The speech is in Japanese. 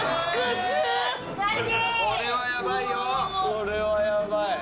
これはやばいよ。